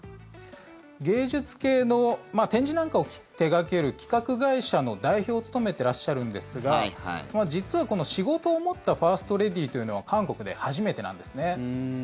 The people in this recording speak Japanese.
芸術系の展示なんかを手掛ける企画会社の代表を務めていらっしゃるんですが実は、仕事を持ったファーストレディーというのは韓国で初めてなんですね。